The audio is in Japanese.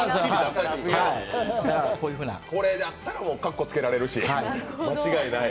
これだったらかっこつけられるし間違いない。